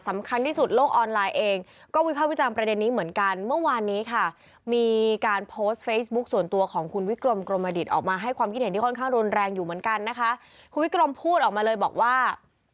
มันแรงอยู่เหมือนกันนะคะคุณวิกรมพูดออกมาเลยบอกว่า